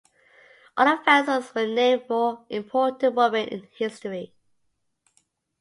All of the vessels were named for important women in history.